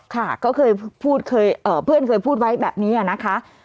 ค่ะก็เคยเพื่อนเคยพูดไว้แบบนี้นะคะ